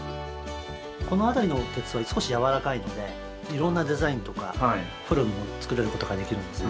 この辺りの鉄は少しやわらかいのでいろんなデザインとかフォルムを作れることができるんですね。